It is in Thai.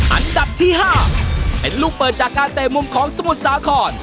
อันดับที่๕เป็นลูกเปิดจากการเตะมุมของสมุทรสาคร